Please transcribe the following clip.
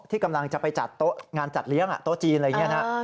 ที่กำลังจะไปจัดโต๊ะงานจัดเลี้ยงโต๊ะจีนอะไรอย่างนี้นะ